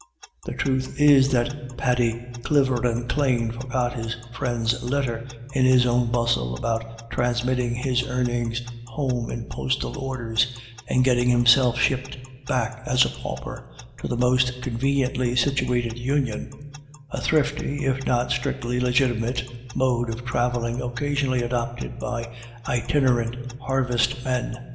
The truth is that Paddy " cliver and clane " forgot his friend's letter in his own bustle about transmitting his earnings home in postal orders, and getting himself shipped back as a pauper to the most con veniently situated Union — a thrifty, if not strictly legitimate, mode of travelling occasionally adopted by itinerant harvest men.